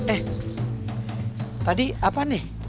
eh tadi apa nih